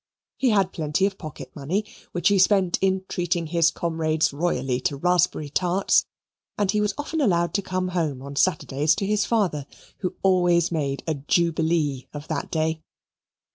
He had plenty of pocket money, which he spent in treating his comrades royally to raspberry tarts, and he was often allowed to come home on Saturdays to his father, who always made a jubilee of that day.